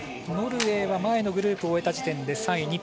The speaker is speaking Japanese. ノルウェーは前のグループ終えた時点で３位。